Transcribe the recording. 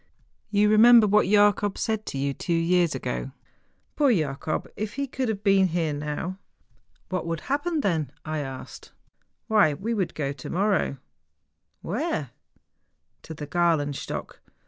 ' You remember what Jacob said to you two years ago ? Poor Jacob, if he could have been here now! ' 'What would happen then ?' I asked him. ' Why, we would go to morrow ' 'Where?' ' To the Gralenstock.